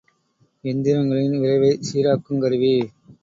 எந்திரங்களின் விரைவைச் சீராக்குங் கருவி.